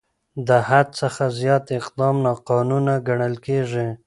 د حد څخه زیات اقدام ناقانونه ګڼل کېږي.